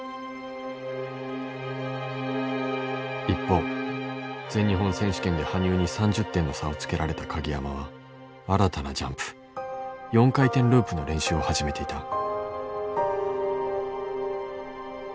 一方全日本選手権で羽生に３０点の差をつけられた鍵山は新たなジャンプ４回転ループの練習を始めていた。